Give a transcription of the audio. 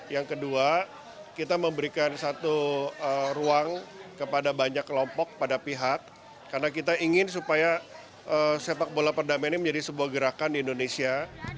yang kedua kita memberikan satu ruang kepada banyak kelompok pada pihak karena kita ingin supaya sepak bola perdamaian ini menjadi sebuah gerakan di indonesia